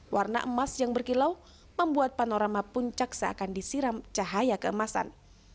warna emas yang berkilau membuat panorama puncak seakan disiram cahaya keemasan